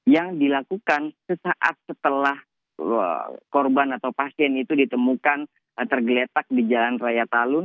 yang dilakukan sesaat setelah korban atau pasien itu ditemukan tergeletak di jalan raya talun